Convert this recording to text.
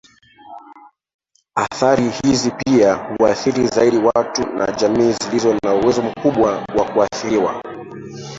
Athari hizi pia huathiri zaidi watu na jamii zilizo na uwezo mkubwa wa kuathiriwa